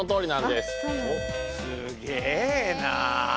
すげえな。